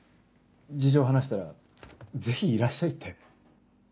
事情を話したらぜひいらっしゃいって。